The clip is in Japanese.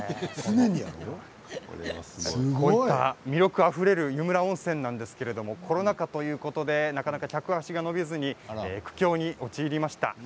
魅力あふれる湯村温泉ですがコロナ禍ということでなかなか客足が伸びずに苦境に陥りました。